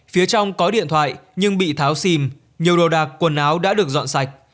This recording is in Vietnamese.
phía trong có điện thoại nhưng bị tháo xìm nhiều đồ đạc quần áo đã được dọn sạch